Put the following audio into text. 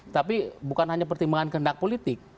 tapi bukan hanya pertimbangan kehendak politik